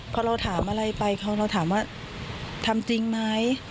พอเราถามอะไรไปเราถามว่าทำจริงไหม